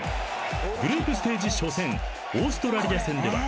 ［グループステージ初戦オーストラリア戦では］